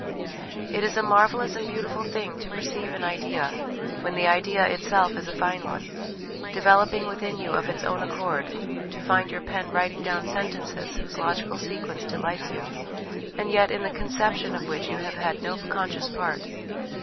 It is a marvellous and beautiful thing to perceive an idea when the idea itself is a fine one developing within you of its own accord, to find your pen writing down sentences whose logical sequence delights you, and yet in the conception of which you have had no conscious part.